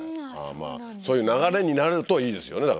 そういう流れになるといいですよねだからね。